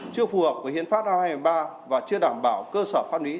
chưa phù hợp với hiến pháp năm hai nghìn một mươi ba và chưa đảm bảo cơ sở pháp lý